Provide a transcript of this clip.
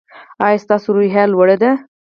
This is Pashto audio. ایا ستاسو روحیه لوړه ده؟